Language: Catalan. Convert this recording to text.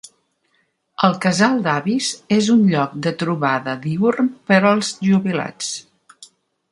El casal d'avis és un lloc de trobada diürn per als jubilats.